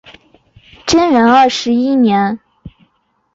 贞元二十一年